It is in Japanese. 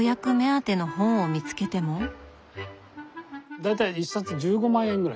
大体１冊１５万円ぐらい。